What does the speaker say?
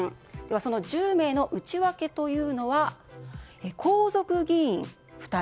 その１０名の内訳というのは皇族議員、２人。